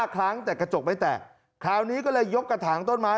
๕ครั้งแต่กระจกไม่แตกคราวนี้ก็เลยยกกระถางต้นไม้